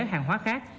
hàng hóa khác